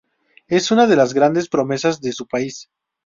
Es una de las grandes promesas de su país.